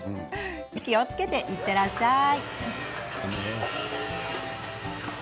気をつけていってらっしゃい。